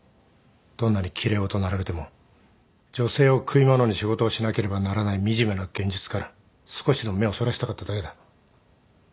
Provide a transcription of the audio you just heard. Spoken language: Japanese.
どんなに奇麗事を並べても女性を食い物に仕事をしなければならない惨めな現実から少しでも目をそらしたかっただけだ。